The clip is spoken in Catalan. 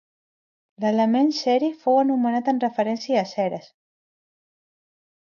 L'element ceri fou anomenat en referència a Ceres.